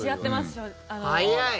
早い！